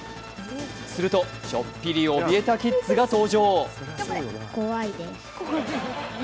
すると、ちょっぴりおびえたキッズが登場。